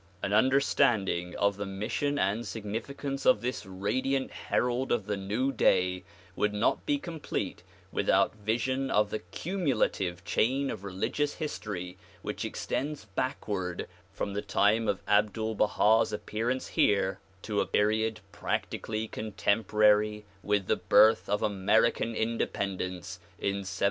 An understanding of the mission and significance of this radiant herald of the New Day would not be complete without vision of the cumulative chain of religious history which extends backward from the time of Abdul Baha's appearance here to a INTRODUCTION iii period practically cotemporary with the birth of American Inde pendence in 1776.